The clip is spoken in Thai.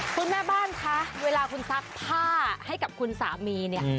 คุณแม่บ้านคะเวลาคุณซักผ้าให้กับคุณสามีเนี่ย